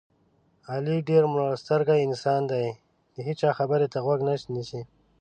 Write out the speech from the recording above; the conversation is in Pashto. علي ډېر مړسترګی انسان دی دې هېچا خبرې ته غوږ نه نیسي.